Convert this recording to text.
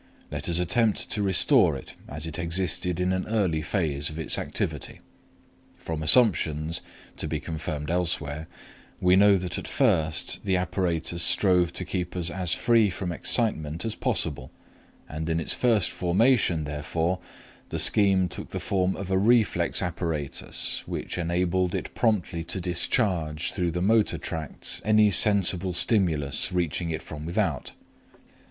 Let us attempt to restore it as it existed in an early phase of its activity. From assumptions, to be confirmed elsewhere, we know that at first the apparatus strove to keep as free from excitement as possible, and in its first formation, therefore, the scheme took the form of a reflex apparatus, which enabled it promptly to discharge through the motor tracts any sensible stimulus reaching it from without.